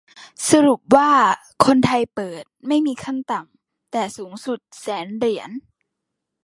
สรุปว่า คนไทยเปิด ไม่มีขั้นต่ำ แต่สูงสุด แสนเหรียญ